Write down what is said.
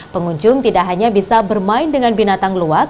pengunjung tidak hanya bisa bermain dengan binatang luwak